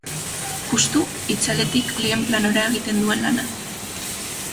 Juxtu, itzaletik lehen planora egin duen lana.